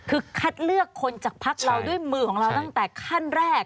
คือคัดเลือกคนจากพักเราด้วยมือของเราตั้งแต่ขั้นแรก